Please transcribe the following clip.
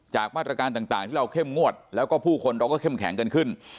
มาตรการต่างที่เราเข้มงวดแล้วก็ผู้คนเราก็เข้มแข็งกันขึ้น